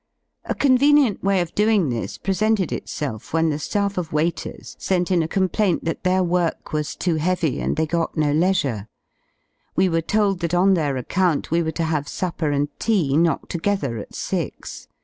A con venient way of doing this presented itself when the ^aff of waiters sent in a complaint that their work was too heavy 25 and they got no leisure. We were told that on their account we were to have supper and tea knocked together at six.